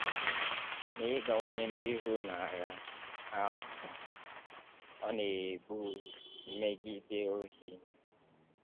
N'ịgawanye n'ihu n'agha ahụ ọ na-ebu megide ohi